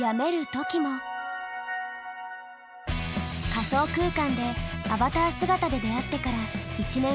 仮想空間でアバター姿で出会ってから１年後の去年。